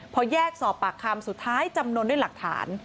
พอแยกสอบปากคำสุดท้ายจำนวนด้วยหลักฐาน